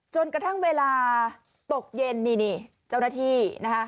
จนกระทั่งเวลาตกเย็นเจ้าหน้าที่